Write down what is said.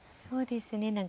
そうですね。